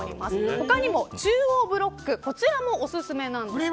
他にも、中央ブロックこちらもおすすめなんです。